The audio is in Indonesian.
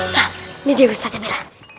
nah ini dia ustaz zabel